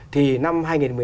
thì năm hai nghìn một mươi chín